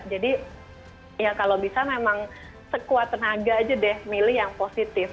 jadi ya kalau bisa memang sekuat tenaga aja deh milih yang positif